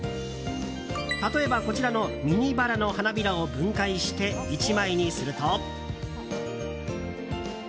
例えばこちらのミニバラの花びらを分解して、１枚にすると。